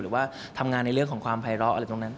หรือว่าทำงานในเรื่องของความภัยร้ออะไรตรงนั้น